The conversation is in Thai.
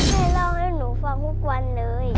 ให้เล่าให้หนูฟังทุกวันเลย